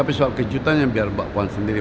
tapi soal kejutan yang biar bapak puan sendiri